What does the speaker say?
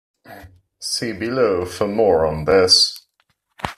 See below for more on this.